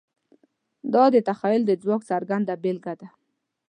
دا د تخیل د ځواک څرګنده بېلګه ده.